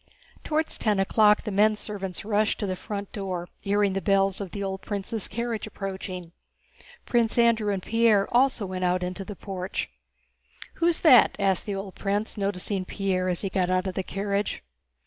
Toward ten o'clock the men servants rushed to the front door, hearing the bells of the old prince's carriage approaching. Prince Andrew and Pierre also went out into the porch. "Who's that?" asked the old prince, noticing Pierre as he got out of the carriage.